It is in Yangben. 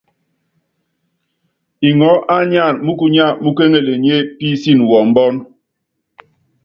Iŋɔɔ́ á nyáan múkkunya múkéŋelenyé písin wɔɔbɔ́n.